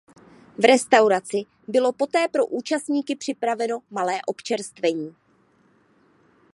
V restauraci bylo poté pro účastníky připraveno malé občerstvení.